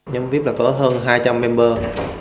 nhóm vip là có hơn hai trăm linh member